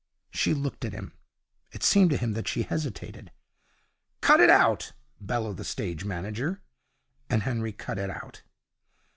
She looked at him. It seemed to him that she hesitated. 'Cut it out!' bellowed the stage manager, and Henry cut it out.